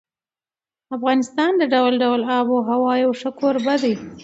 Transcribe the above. افغانستان د ډول ډول آب وهوا یو ښه کوربه دی.